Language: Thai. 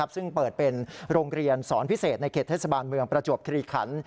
ซึ่งเปิดเป็นโรงเรียนสอนพิเศษในเขตเทศบาลเมืองประจวบคลีขัน